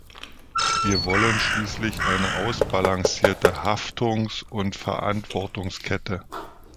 Wir wollen schließlich eine ausbalancierte Haftungs- und Verantwortungskette.